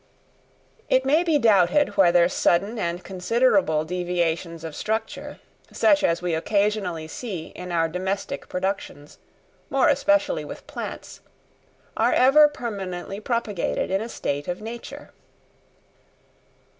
It may be doubted whether sudden and considerable deviations of structure, such as we occasionally see in our domestic productions, more especially with plants, are ever permanently propagated in a state of nature.